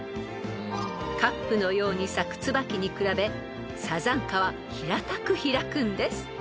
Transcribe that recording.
［カップのように咲くツバキに比べサザンカは平たく開くんです］